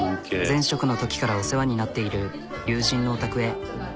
前職のときからお世話になっている友人のお宅へ。